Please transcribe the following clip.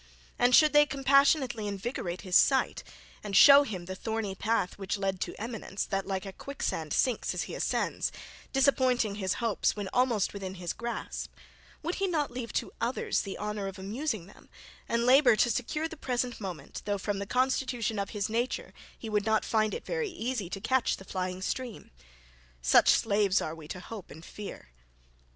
And should they compassionately invigorate his sight, and show him the thorny path which led to eminence, that like a quicksand sinks as he ascends, disappointing his hopes when almost within his grasp, would he not leave to others the honour of amusing them, and labour to secure the present moment, though from the constitution of his nature he would not find it very easy to catch the flying stream? Such slaves are we to hope and fear!